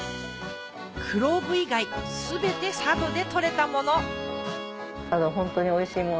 クローブ以外全て佐渡で採れたもの佐渡ホントにおいしいもの